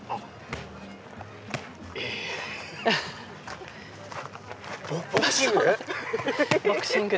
ええボクシング？